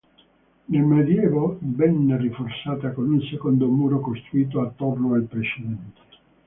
Nel medioevo venne rinforzata con un secondo muro costruito attorno al precedente.